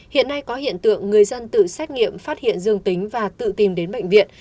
hiện nay có hiện tượng người dân tự xét nghiệm phát hiện dương tính và tự tìm đến bệnh viện